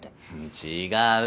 違う！